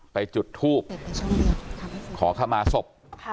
ไปจุดทูกขอคำมาศพ